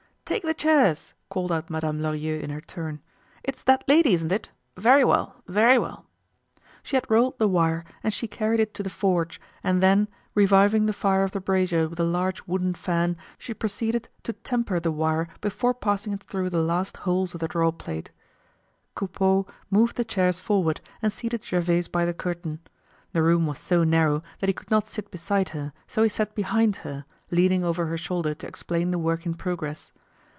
"Take the chairs!" called out Madame Lorilleux in her turn. "It's that lady, isn't it? Very well, very well!" She had rolled the wire and she carried it to the forge, and then, reviving the fire of the brazier with a large wooden fan, she proceeded to temper the wire before passing it through the last holes of the draw plate. Coupeau moved the chairs forward and seated Gervaise by the curtain. The room was so narrow that he could not sit beside her, so he sat behind her, leaning over her shoulder to explain the work in progress.